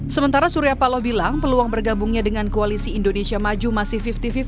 sementara surya paloh bilang peluang bergabungnya dengan koalisi indonesia maju masih lima puluh lima puluh